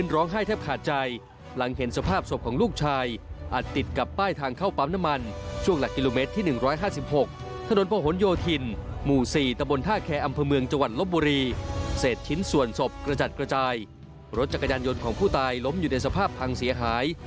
รถจักรยานยนต์ของผู้ตายล้มอยู่ในสภาพพังเสียหาย